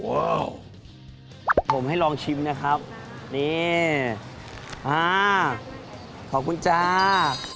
โอ้โหผมให้ลองชิมนะครับนี่อ่าขอบคุณจ้า